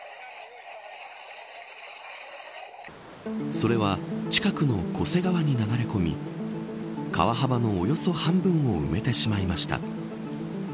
それは、近くの巨瀬川に流れ込み川幅のおよそ半分を埋めてしまいました。